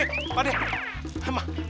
aduh pak dek eh pak dek